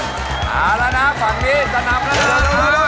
เอาละนะฝั่งนี้จะนำแล้วนะ